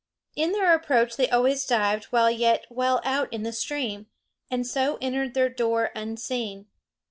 In their approach they always dived while yet well out in the stream, and so entered their door unseen.